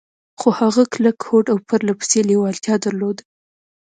خو هغه کلک هوډ او پرله پسې لېوالتيا درلوده.